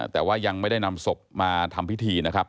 แต่ว่ายังไม่ได้นำศพมาทำพิธีนะครับ